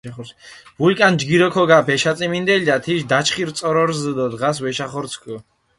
ვულკან ჯგირო ქოგაფჷ ეშაწიმინდელდა, თიშ დაჩხირი წორო რზჷ დო დღას ვეშახორცქუ.